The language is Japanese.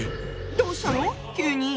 どうしたの⁉急に。